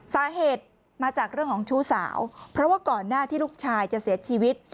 สาเหตุมาจากเรื่องของชู้สาวเพราะว่าก่อนหน้าที่ลูกชายจะเสียชีวิต